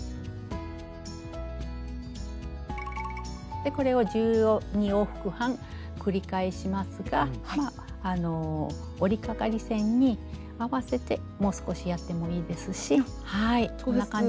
でこれを１２往復半繰り返しますがまああの織りかがり線に合わせてもう少しやってもいいですしはいこんな感じで。